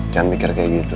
jangan mikir kayak gitu